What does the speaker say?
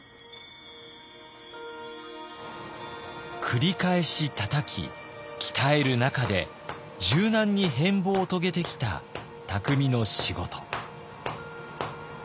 繰り返したたき鍛える中で柔軟に変貌を遂げてきた匠の仕事。